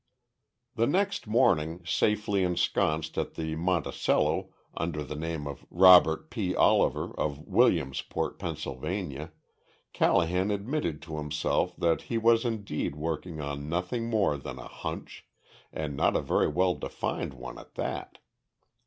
The next morning, safely ensconced at the Monticello under the name of "Robert P. Oliver, of Williamsport, Pa." Callahan admitted to himself that he was indeed working on nothing more than a "hunch," and not a very well defined one at that.